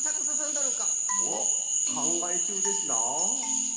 どるかおっかんがえちゅうですな。